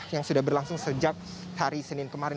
yang sudah berlangsung sejak hari senin kemarin